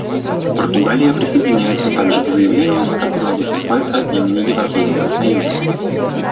Португалия присоединяется также к заявлению, с которым выступят от имени Европейского союза.